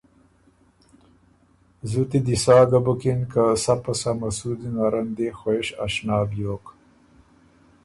زُتی دی سا ګه بُکِن که سَۀ پسَۀ مسودی نرن دې خوېش اشنا بیوک